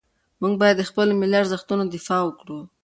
موږ باید د خپلو ملي ارزښتونو دفاع وکړو.